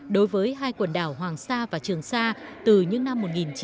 đối với hai quần đảo hoàng sa và trường sa từ những năm một nghìn chín trăm bảy mươi